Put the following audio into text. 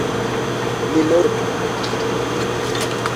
Ni mortu!